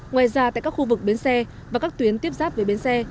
ngoài ra tại các khu vực bến xe và các tuyến tiếp giáp với bến xe